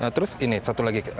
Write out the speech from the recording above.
nah terus ini satu lagi